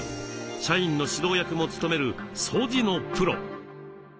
社員の指導役も務める掃除のプロ。